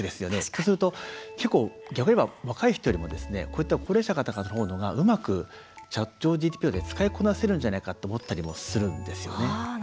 そうすると、逆を言えば若い人よりもこういった高齢者の方の方がうまくＣｈａｔＧＰＴを使いこなせるんじゃないかと思ったりもするんですよね。